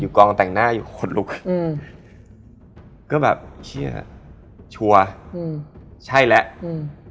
กองแต่งหน้าอยู่ขนลุกอืมก็แบบเชียร์ชัวร์อืมใช่แล้วอืม